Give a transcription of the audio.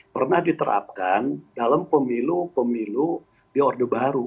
pernah diterapkan dalam pemilu pemilu di orde baru